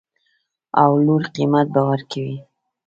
او لوړ قیمت به ورکوي